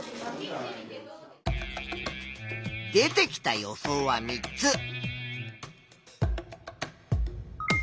出てきた予想は３つ。